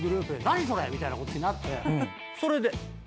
何それ⁉みたいなことになってそれで。